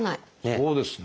そうですね